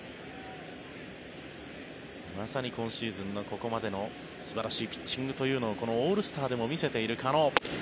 まさに今シーズンのここまでの素晴らしいピッチングというのをこのオールスターでも見せているカノ。